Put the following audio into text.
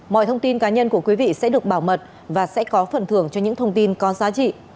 mọi thông tin cá nhân của quý vị sẽ được bảo mật và sẽ có phần thưởng cho những thông tin có giá trị